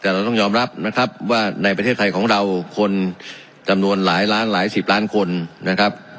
แต่เราต้องยอมรับนะครับว่าในประเทศไทยของเราคนจำนวนหลายล้านหลายสิบล้านคนนะครับ